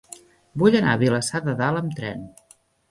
Vull anar a Vilassar de Dalt amb tren.